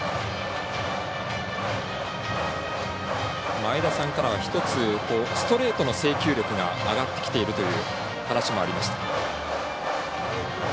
前田さんからは、１つ制球力が上がってきているという話もありました。